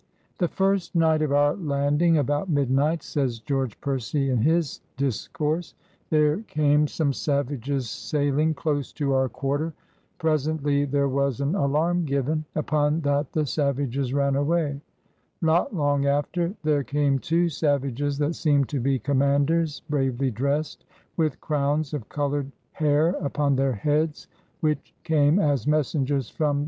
The first night of our landing, about midnight,*' says George Percy in his Discourse, "there came TsfikiA^^A^^Bte^aMitfa^toMiriKiAMMMiMMaflMMttiMfllii JAMESTOWN 29 some Savages sayling close to our quarter; pres ently there was an alarm given; upon that the savages ran away. ... Not long after there came two Savages that seemed to be Commanders, bravely dressed, with Crownes of coloured haire upon their heads, which came as Messengers from